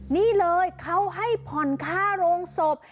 นี่เลยเขาให้ผ่อนค่าโรงศพ